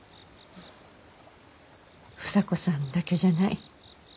房子さんだけじゃない。